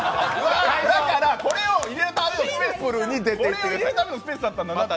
だから、これを入れるためのスペースだったんだなって。